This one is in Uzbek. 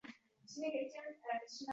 Ko’zyosh yuvar yuzlarini